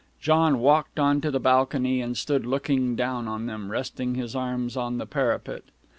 John walked on to the balcony, and stood looking down on them, resting his arms on the parapet.